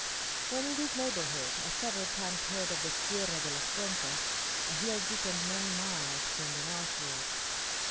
When in this neighbourhood, I several times heard of the Sierra de las Cuentas: a hill distant many miles to the northward.